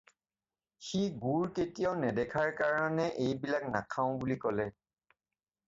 সি গুড় কেতিয়াও নেদেখা কাৰণে- এইবিলাক নাখাওঁ বুলি ক'লে।